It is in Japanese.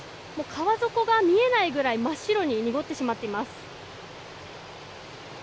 川底が見えないぐらい真っ白に濁ってしまっています。